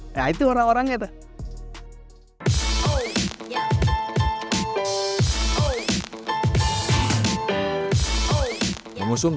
nah itu orang orangnya tuh